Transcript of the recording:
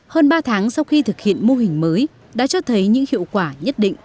hơn ba tháng sau khi thực hiện mô hình mới đã cho thấy những hiệu quả nhất định